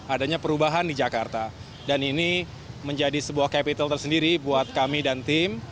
adanya perubahan di jakarta dan ini menjadi sebuah capital tersendiri buat kami dan tim